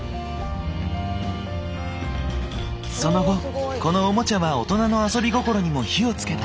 その後このオモチャは大人の遊び心にも火をつけた。